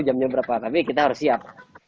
jamnya berapa tapi kita harus siap